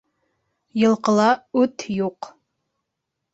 Йылҡыла үт юҡ